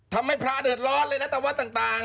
ทำให้พระเดือดร้อนเลยนะแต่ว่าต่าง